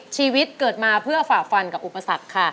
ชีวิตเกิดมาเพื่อฝ่าฟันกับอุปสรรคค่ะ